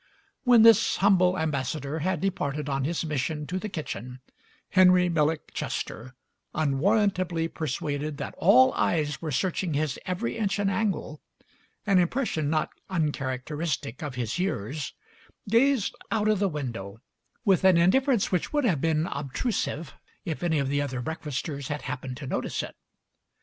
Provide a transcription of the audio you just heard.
When this humble ambassador had departed on his mission to the kitchen Henry Millick Chester, unwarrantably persuaded that all eyes were searching his every inch and angle — an impression not uncharacteristic of his years — gazed out of the window with an in difference which would have been obtrusive if any of the other breakfasters had happened to notice it.